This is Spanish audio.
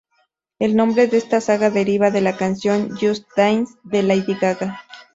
El nombre de esta saga deriva de la canción Just Dance de Lady Gaga.